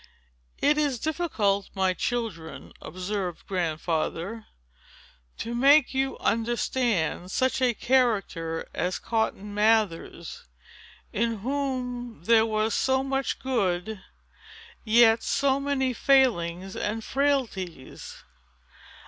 "It is difficult, my children," observed Grandfather, "to make you understand such a character as Cotton Mather's, in whom there was so much good, and yet so many failings and frailties.